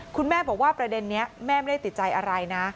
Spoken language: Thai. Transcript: คุณแม่บอกว่าประเด็นนี้แม่ไม่ได้ติดใจอะไรนะ